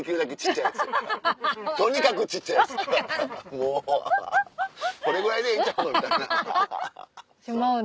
もうこれぐらいでええんちゃうのみたいな。